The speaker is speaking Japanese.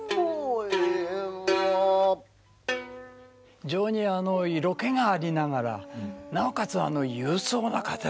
非常に色気がありながらなおかつ勇壮な語りをですね